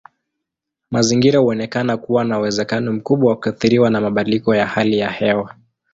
Mazingira huonekana kuwa na uwezekano mkubwa wa kuathiriwa na mabadiliko ya hali ya hewa.